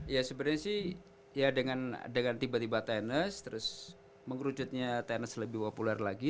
ya sebenarnya sih ya dengan tiba tiba tenis terus mengerucutnya tenis lebih populer lagi